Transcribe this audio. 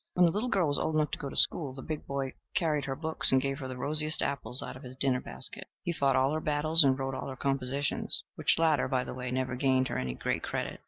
When the little girl was old enough to go to school, the big boy carried her books and gave her the rosiest apple out of his dinner basket. He fought all her battles and wrote all her compositions; which latter, by the way, never gained her any great credit.